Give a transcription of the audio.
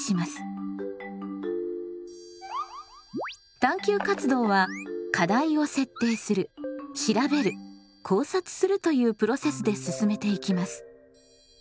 探究活動は課題を設定する調べる考察するというプロセスで進めていきます。